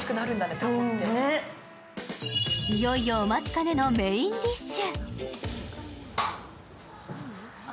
いよいよ、お待ちかねのメインディッシュ。